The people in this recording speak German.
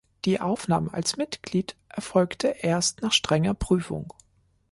Die Aufnahme als Mitglied erfolgte erst nach strenger Prüfung.